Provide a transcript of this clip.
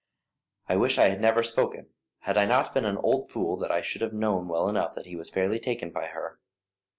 "I wish I had never spoken. Had I not been an old fool I should have known well enough that he was fairly taken by her.